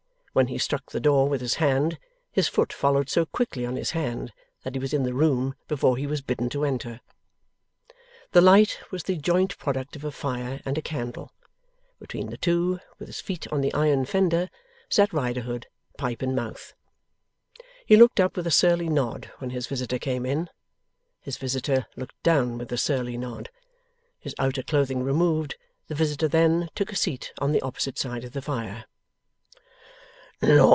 When he struck the door with his hand, his foot followed so quickly on his hand, that he was in the room before he was bidden to enter. The light was the joint product of a fire and a candle. Between the two, with his feet on the iron fender, sat Riderhood, pipe in mouth. He looked up with a surly nod when his visitor came in. His visitor looked down with a surly nod. His outer clothing removed, the visitor then took a seat on the opposite side of the fire.